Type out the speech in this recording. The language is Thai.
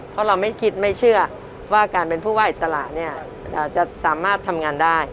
เพราะเราไม่คิดไม่เชื่อว่าการเป็นผู้ว่าอิสระเนี่ยจะสามารถทำงานได้